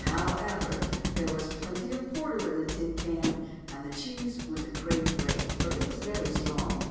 However, there was plenty of porter in a tin can; and the cheese went a great way, for it was very strong."